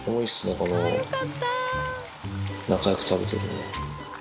この仲良く食べてるの。